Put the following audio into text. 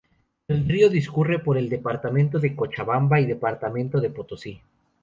El río discurre por el departamento de Cochabamba y departamento de Potosí.